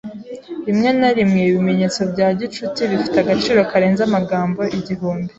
Rimwe na rimwe ibimenyetso bya gicuti bifite agaciro karenze amagambo igihumbi.